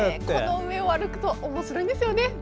この上を歩くとおもしろいんですよね。